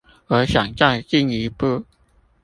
我想再進一步